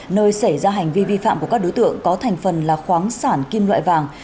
nơi xảy ra hành vi vi phạm của các đối tượng có thành phần là khoáng sản kim loại vàng